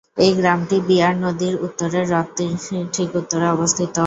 এই গ্রামটি বিয়ার নদীর উত্তরের হ্রদটির ঠিক উত্তরে অবস্থিত।